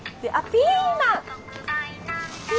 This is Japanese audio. ピーマン。